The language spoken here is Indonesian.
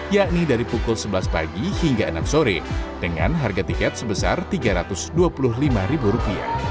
yakni dari pukul sebelas pagi hingga enam sore dengan harga tiket sebesar rp tiga ratus dua puluh lima